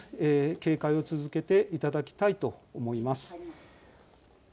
警戒を続けていただきたいと思います。